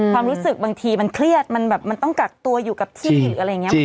ความรู้สึกบางทีมันเครียดมันแบบมันต้องกักตัวอยู่กับที่หรืออะไรอย่างนี้